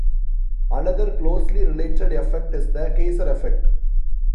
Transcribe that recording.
Another, closely related effect is the Kaiser effect.